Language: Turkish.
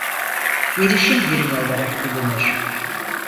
Derişim birimi olarak bilinir.